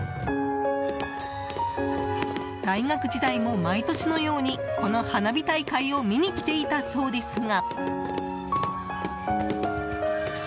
大学時代も、毎年のようにこの花火大会を見に来ていたそうですが。